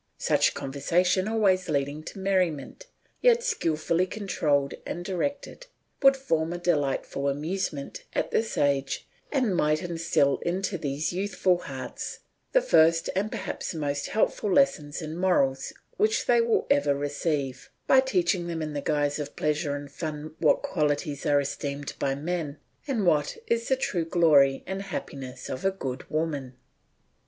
Such conversation always leading to merriment, yet skilfully controlled and directed, would form a delightful amusement at this age and might instil into these youthful hearts the first and perhaps the most helpful lessons in morals which they will ever receive, by teaching them in the guise of pleasure and fun what qualities are esteemed by men and what is the true glory and happiness of a good woman.